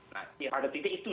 nah pada titik itu